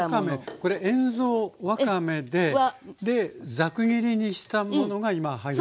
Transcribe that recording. これ塩蔵わかめでザク切りにしたものが今入りましたね。